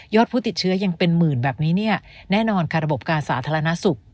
ผู้ติดเชื้อยังเป็นหมื่นแบบนี้เนี่ยแน่นอนค่ะระบบการสาธารณสุข